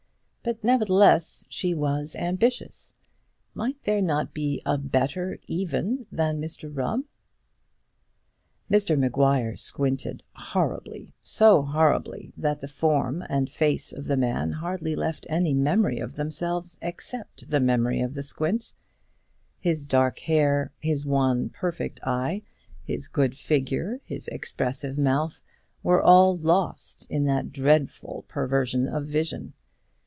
But, nevertheless, she was ambitious. Might there not be a better, even than Mr Rubb? Mr Maguire squinted horribly; so horribly that the form and face of the man hardly left any memory of themselves except the memory of the squint. His dark hair, his one perfect eye, his good figure, his expressive mouth, were all lost in that dreadful perversion of vision.